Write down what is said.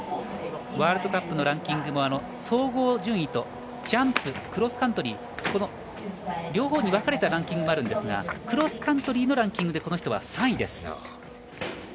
ワールドカップのランキングも総合順位とジャンプ、クロスカントリーの両方に分かれたランキングがあるんですがクロスカントリーのランキングでこの人は３位です。